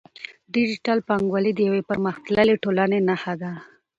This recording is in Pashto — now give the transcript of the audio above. ډیجیټل بانکوالي د یوې پرمختللې ټولنې نښه ده.